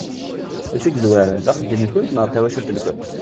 D acu i yezwaren, d axeddim-nkent neɣ d tawacult-nkent?